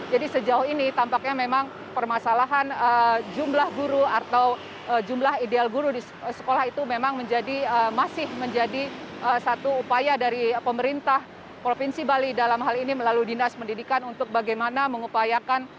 jadi sejauh ini tampaknya memang permasalahan jumlah guru atau jumlah ideal guru di sekolah itu memang menjadi masih menjadi satu upaya dari pemerintah provinsi bali dalam hal ini melalui dinas pendidikan untuk bagaimana mengupayakan